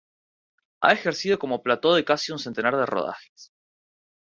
Ha ejercido como plató de casi un centenar de rodajes.